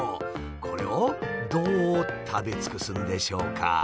これをどう食べ尽くすんでしょうか？